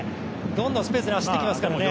どんどんスペースに走ってきますからね。